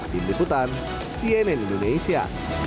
dindiputan cnn indonesia